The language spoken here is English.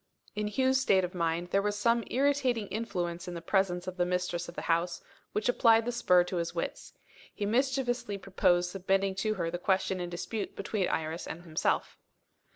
In Hugh's state of mind, there was some irritating influence in the presence of the mistress of the house, which applied the spur to his wits. He mischievously proposed submitting to her the question in dispute between Iris and himself.